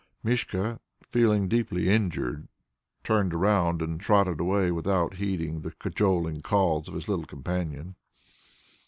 Mischka, feeling deeply injured, turned round and trotted away without heeding the cajoling calls of his little companion.